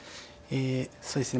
そうですね